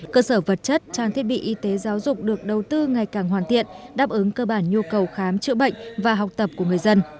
cơ sở vật chất trang thiết bị y tế giáo dục được đầu tư ngày càng hoàn thiện đáp ứng cơ bản nhu cầu khám chữa bệnh và học tập của người dân